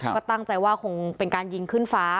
ก็ตั้งใจว่าคงเป็นการยิงขึ้นฟ้า